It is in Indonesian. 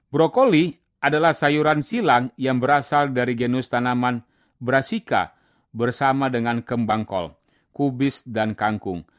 brokoli adalah sayuran silang yang berasal dari genus tanaman berasika bersama dengan kembang kol kubis dan kangkung